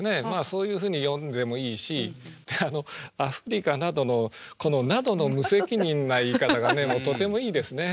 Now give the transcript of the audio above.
そういうふうに読んでもいいし「アフリカなど」のこの「など」の無責任な言い方がとてもいいですね。